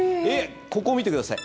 ここを見てください。